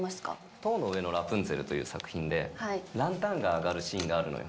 塔の上のラプンツェルという作品で、ランタンが上がるシーンがあるのよ。